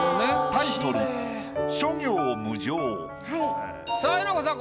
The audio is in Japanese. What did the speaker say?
タイトルさあえなこさん